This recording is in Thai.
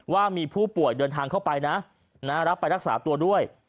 ว่ามีผู้ป่วยเดินทางเข้าไปนะรับไปรักษาตัวด้วย